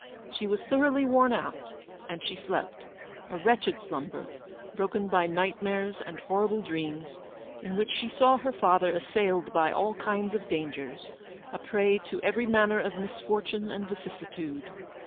She was thoroughly worn out, and she slept; a wretched slumber, broken by nightmares and horrible dreams, in which she saw her father assailed by all kinds of dangers, a prey to every manner of misfortune and vicissitude.